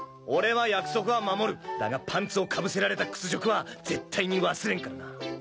俺は約束は守るだがパンツをかぶせられた屈辱は絶対に忘れんからな！